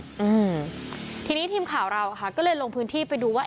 อืมทีนี้ทีมข่าวเราอ่ะค่ะก็เลยลงพื้นที่ไปดูว่า